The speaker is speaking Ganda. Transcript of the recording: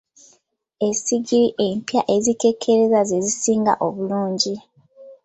Essigiri empya ezikekereza ze zisinga obulungi.